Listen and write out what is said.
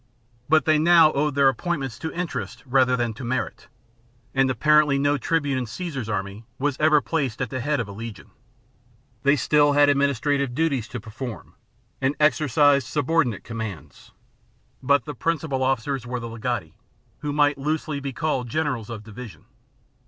But they now owed their appointments to interest rather than to merit ; and apparently no tribune in Caesar's army was ever placed at the head of a legion. They still had administrative duties to perform, and exercised subordinate commands. But the principal officers were the legati, who might loosely be called generals of division.